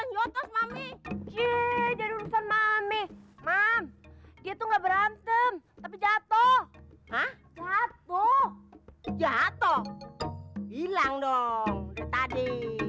nyotos mami jadi lulusan mami mam gitu enggak berantem tapi jatuh jatuh jatuh hilang dong tadi